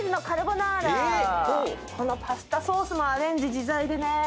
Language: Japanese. このパスタソースもアレンジ自在でね。